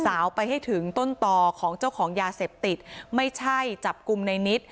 สาวไปให้ถึงต้นต่อของเจ้าของยาเสพติดไม่ใช่จับกลุ่มในนิด